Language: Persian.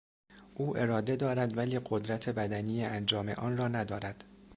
او اراده دارد ولی قدرت بدنی انجام آن را ندارد.